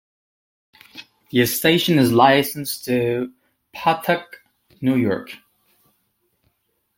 The station is licensed to Patchogue, New York.